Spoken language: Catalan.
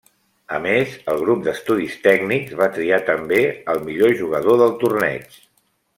A més, el Grup d'Estudis Tècnics va triar també al millor jugador del torneig.